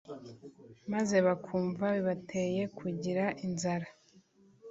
maze bakumva bibateye kugira inzara